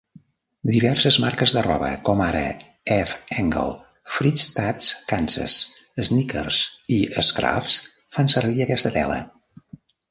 Diverses marques de roba, com ara F. Engel, Fristads Kansas, Snickers i Scruffs, fan servir aquesta tela.